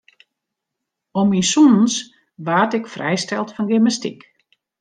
Om myn sûnens waard ik frijsteld fan gymnastyk.